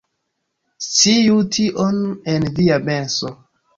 Sciu tion en via menso